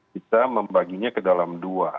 kita membaginya ke dalam dua